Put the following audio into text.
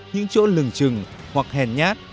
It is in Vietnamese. những chỗ lừng chừng hoặc hèn nhát